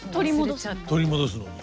取り戻すのに？